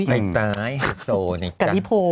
ไอ้ตายโศนิกะ